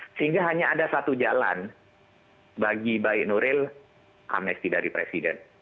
sehingga hanya ada satu jalan bagi baik nuril amnesti dari presiden